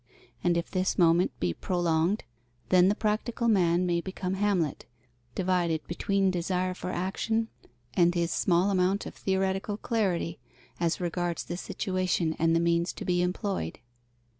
And if this moment be prolonged, then the practical man may become Hamlet, divided between desire for action and his small amount of theoretical clarity as regards the situation and the means to be employed.